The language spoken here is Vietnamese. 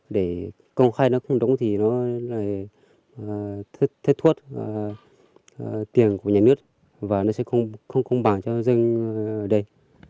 để công khai nó không đúng thì nó là thết thuất tiền của nhà nước và nó sẽ không bảo cho dân ở đây